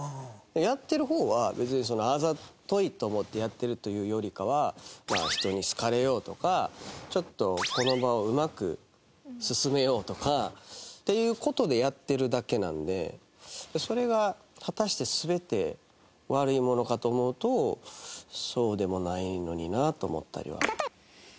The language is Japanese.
やってる方は別にあざといと思ってやってるというよりかは人に好かれようとかちょっとこの場をうまく進めようとかっていう事でやってるだけなんでそれが果たして全て悪いものかと思うとそうでもないのになと思ったりは。